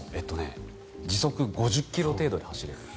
時速５０ｋｍ程度で走れる。